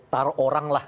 taruh orang lah